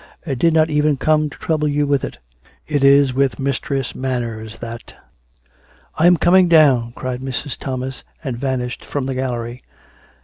" I did not even come to trouble you with it. It is with Mistress Manners that "" I am coming down," cried Mrs. Thomas, and van ished from the gallery.